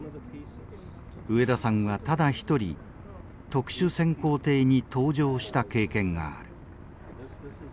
植田さんはただ一人特殊潜航艇に搭乗した経験がある。